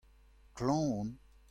Klañv on.